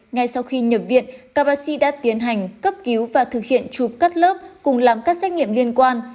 ngay sau khi nhập viện các bác sĩ đã tiến hành cấp cứu và thực hiện chụp cắt lớp cùng làm các xét nghiệm liên quan